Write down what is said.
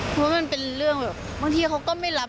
เพราะว่ามันเป็นเรื่องแบบบางทีเขาก็ไม่รับ